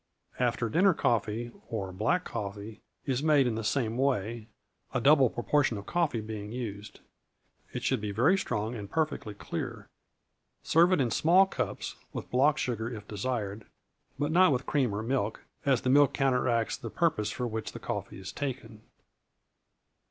After dinner coffee, or black coffee, is made in the same way, a double proportion of coffee being used. It should be very strong, and perfectly clear. Serve it in small cups, with block sugar if desired, but not with cream or milk, as the milk counteracts the purpose for which the coffee is taken.